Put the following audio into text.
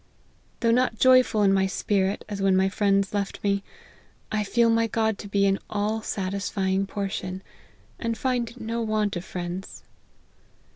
Though not joyful in my spirit, as when my friends left me, I feel my God to be an all satisfying portion, and find no want of friends.